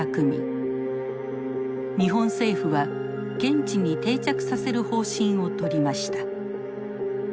日本政府は現地に定着させる方針をとりました。